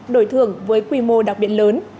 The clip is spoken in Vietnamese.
đổi thưởng với quy mô đặc biệt lớn